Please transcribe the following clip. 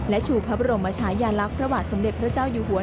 และชูพระบรมชายาลักษณ์พระบาทสมเด็จพระเจ้าอยู่หัว